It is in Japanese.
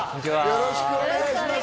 よろしくお願いします